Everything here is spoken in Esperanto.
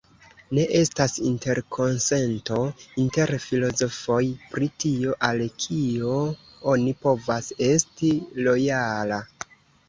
Ne estas interkonsento inter filozofoj pri tio al kio oni povas esti lojala.